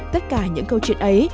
tất cả những câu chuyện ấy